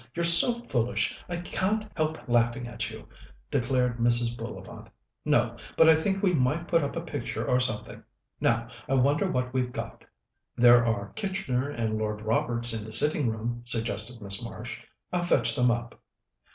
You're so foolish I can't help laughing at you," declared Mrs. Bullivant. "No; but I think we might put up a picture or something. Now, I wonder what we've got." "There are Kitchener and Lord Roberts in the sitting room," suggested Miss Marsh. "I'll fetch them up."